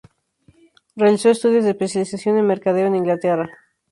Realizó estudios de especialización en Mercadeo en Inglaterra.